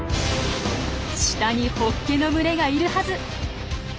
下にホッケの群れがいるはず！